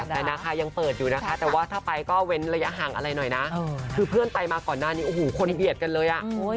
แต่นะคะยังเปิดอยู่นะคะแต่ถ้าไปก็เว้นระยะหังอะไรหน่อยนะคือเพื่อนไปมาก่อนหน้าโหคนเบียดไปเ๐๑ย